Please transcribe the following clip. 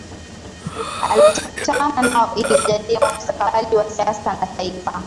Atakutana nao ili kujadili mustakabali wa siasa na Taifa